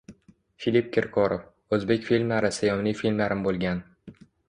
Filipp Kirkorov: “O‘zbek filmlari sevimli filmlarim bo‘lgan”